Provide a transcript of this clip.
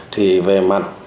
thì về mạng